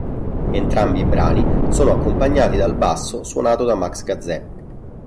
Entrambi i brani sono accompagnati dal basso suonato da Max Gazzè.